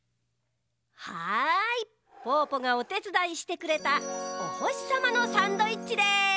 はいぽぅぽがおてつだいしてくれたおほしさまのサンドイッチです。